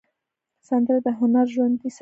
سندره د هنر ژوندي ساتل دي